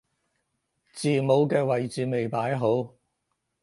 字母嘅位置未擺好